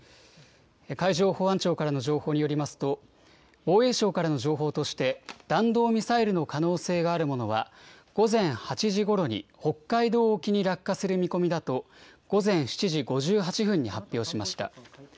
海上保安庁からの情報によりますと、防衛省からの情報として、弾道ミサイルの可能性があるものは、午前８時ごろに北海道沖に落下する見込みだと、午前７時５８分に発表しました。